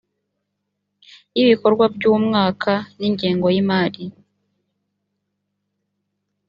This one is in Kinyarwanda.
y ibikorwa by umwaka n ingengo y imari